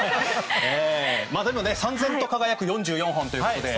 でも、燦然と輝く４４本ということで。